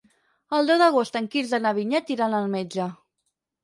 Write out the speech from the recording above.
El deu d'agost en Quirze i na Vinyet iran al metge.